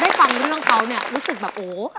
ฟังเรื่องเขาเนี่ยรู้สึกแบบโอ้